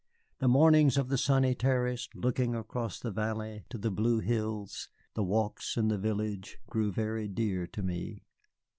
The mornings on the sunny terrace looking across the valley to the blue hills, the walks in the village, grew very dear to me.